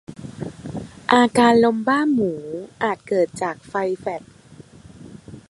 อาการลมบ้าหมูอาจเกิดจากไฟแฟลช